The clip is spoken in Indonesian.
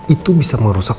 itu bisa merusak